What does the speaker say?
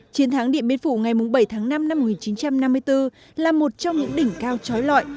chiến thắng điện biên phủ ngày bảy tháng năm năm một nghìn chín trăm năm mươi bốn là một trong những đỉnh cao trói lọi